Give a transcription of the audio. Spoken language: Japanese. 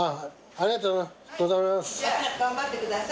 ありがとうございます。